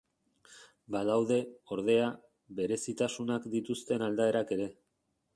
Badaude, ordea, berezitasunak dituzten aldaerak ere.